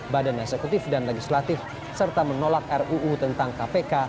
badan eksekutif dan legislatif serta menolak ruu tentang kpk